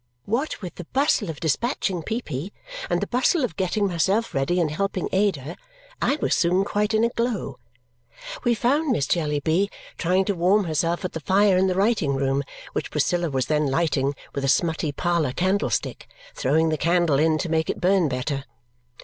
What with the bustle of dispatching Peepy and the bustle of getting myself ready and helping Ada, I was soon quite in a glow. We found Miss Jellyby trying to warm herself at the fire in the writing room, which Priscilla was then lighting with a smutty parlour candlestick, throwing the candle in to make it burn better.